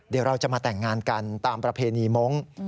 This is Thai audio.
เดี๋ยวเราจะมาแต่งงานกันตามประเพณีมงค์